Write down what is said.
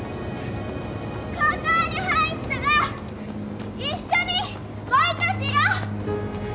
高校に入ったら一緒にバイトしよう！